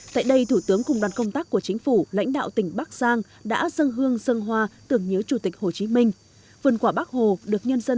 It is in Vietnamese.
tại đây thủ tướng cùng đoàn công tác của chính phủ lãnh đạo tỉnh bắc giang đã dâng hương dâng hoa tưởng nhớ chủ tịch hồ chí minh